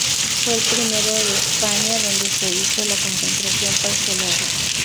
Fue el primero de España donde se hizo la concentración parcelaria.